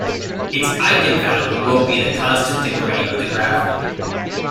Its eigenvalue will be the constant degree of the graph.